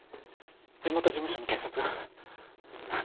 地元事務所に検察が。えっ？